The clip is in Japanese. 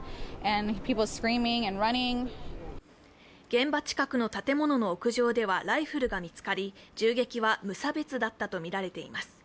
現場近くの建物の屋上ではライフルが見つかり銃撃は無差別だったとみられています。